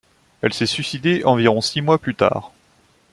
Elle s'est suicidée environ six mois plus tard.